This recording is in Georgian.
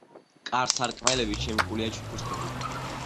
კარ-სარკმლები შემკულია ჩუქურთმებით.